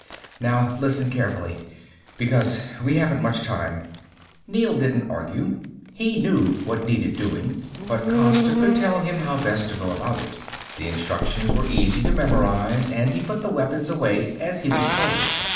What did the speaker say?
Now listen carefully, because we haven't much time." Neel didn't argue. He knew what needed doing, but Costa could tell him how best to go about it. The instructions were easy to memorize, and he put the weapons away as he was told.